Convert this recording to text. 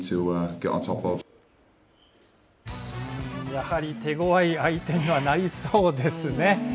やはり手ごわい相手にはなりそうですね。